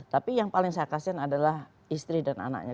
tapi yang paling saya kasih adalah istri dan anaknya